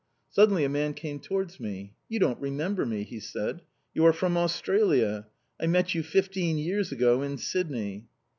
Suddenly a man came towards me. "You don't remember me," he said. "You are from Australia! I met you fifteen years ago in Sydney."